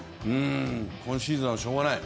今シーズンはしょうがない